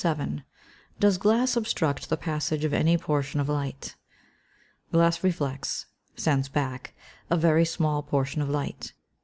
Does glass obstruct the passage of any portion of light? Glass reflects (sends back) a very small portion of light.